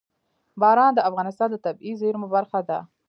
باران د افغانستان د طبیعي زیرمو برخه ده.